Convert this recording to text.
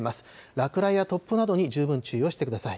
落雷や突風などに十分注意をしてください。